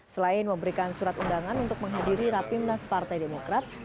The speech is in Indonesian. selain memberikan surat undangan untuk menghadiri rapimnas partai demokrat